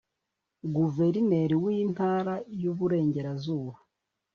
Guverineri w’Intara y’Uburengerazuba